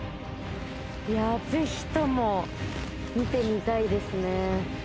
いやぜひとも見てみたいですね。